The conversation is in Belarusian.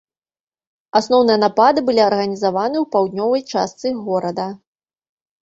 Асноўныя напады былі арганізаваны ў паўднёвай частцы горада.